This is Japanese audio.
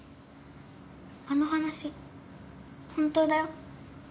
あの話本当だよ。